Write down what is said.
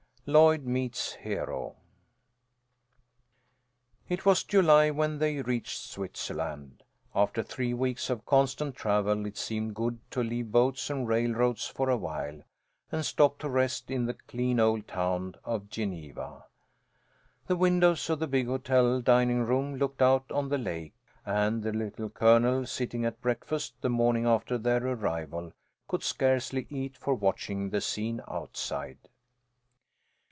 LLOYD MEETS HERO It was July when they reached Switzerland. After three weeks of constant travel, it seemed good to leave boats and railroads for awhile, and stop to rest in the clean old town of Geneva. The windows of the big hotel dining room looked out on the lake, and the Little Colonel, sitting at breakfast the morning after their arrival, could scarcely eat for watching the scene outside.